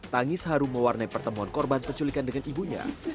tangis haru mewarnai pertemuan korban penculikan dengan ibunya